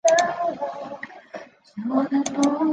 鸟媒花的花期也与蜂鸟的生殖季同期。